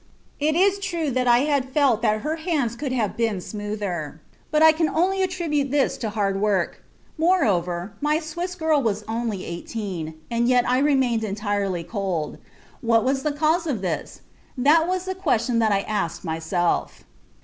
It is true that I had felt that her hands could have been smoother, but I could only attribute this to hard work; moreover, my Swiss girl was only eighteen, and yet I remained entirely cold. What was the cause of this? That was the question that I asked myself."